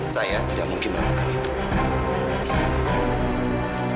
saya tidak akan pernah mencari amira